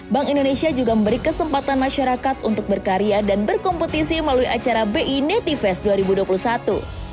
bank indonesia juga memberi kesempatan masyarakat untuk berkarya dan berkompetisi melalui acara bi nativest dua ribu dua puluh satu